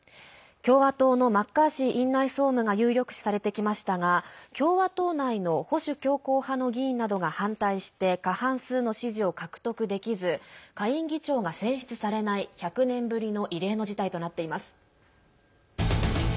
共和党のマッカーシー院内総務が有力視されてきましたが共和党内の保守強硬派の議員などが反対して過半数の支持を獲得できず下院議長が選出されない１００年ぶりの異例の事態となっています。